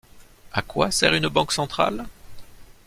À quoi sert une banque centrale ?